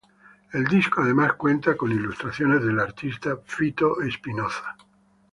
El disco además cuenta con ilustraciones del artista Fito Espinoza.